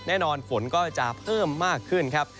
แน่นอนฝนก็จะเพิ่มมากขึ้นครับ